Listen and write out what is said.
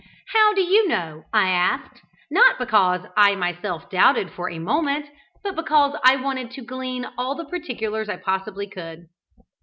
"How do you know?" I asked, not because I myself doubted for a moment, but because I wanted to glean all the particulars I possibly could.